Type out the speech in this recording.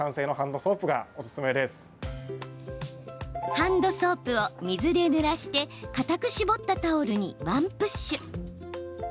ハンドソープを水でぬらしてかたく絞ったタオルにワンプッシュ。